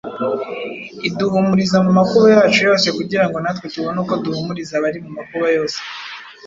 iduhumuriza mu makuba yacu yose kugira ngo natwe tubone uko duhumuriza abari mu makuba yose,